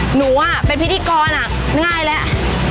หนูอ่ะเป็นพิธีกรน่ะมันง่ายแล้ว